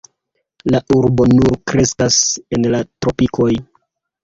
La arbo nur kreskas en la tropikoj.